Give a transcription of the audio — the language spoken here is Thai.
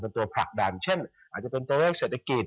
เป็นตัวผลักดันเช่นอาจจะเป็นตัวเลขเศรษฐกิจ